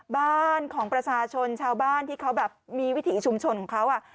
บ้านของประชาชนชาวบ้านที่เขาแบบมีวิถีชุมชนของเขา